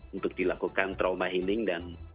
untuk dilakukan trauma healing dan